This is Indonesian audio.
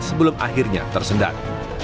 sebelum akhirnya tersendat